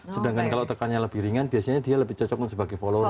sedangkan kalau tekannya lebih ringan biasanya dia lebih cocok sebagai follower